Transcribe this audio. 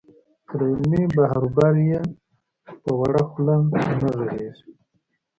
پر علمي بحروبر یې په وړه خوله نه غږېږې.